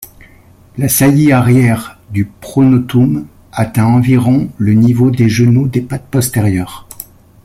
La saillie arrière du pronotum atteint environ le niveau des genoux des pattes postérieures.